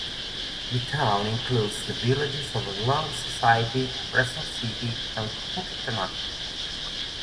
The town includes the villages of Long Society, Preston City, and Poquetanuck.